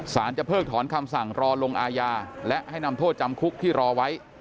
จะเพิกถอนคำสั่งรอลงอาญาและให้นำโทษจำคุกที่รอไว้